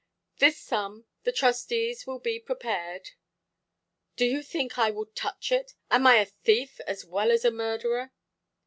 This sum the trustees will be prepared——" "Do you think I will touch it? Am I a thief as well as a murderer"?